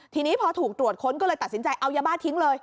ทีนี้พอถูกตรวจค้นก็เลยตัดสินใจเอายาบ้าทิ้งเลย